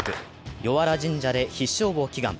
榎原神社で必勝を祈願。